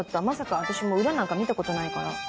まさか私もう裏なんか見たことないから。